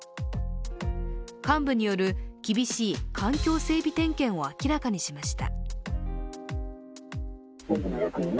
幹部による厳しい環境整備点検を明らかにしました。